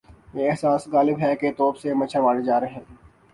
یہ احساس غالب ہے کہ توپ سے مچھر مارے جا رہے ہیں۔